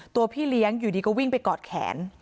พี่เลี้ยงอยู่ดีก็วิ่งไปกอดแขน